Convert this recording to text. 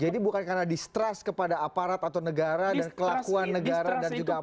jadi bukan karena distrust kepada aparat atau negara dan kelakuan negara dan juga aparat